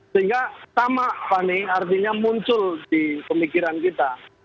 sehingga sama fani artinya muncul di pemikiran kita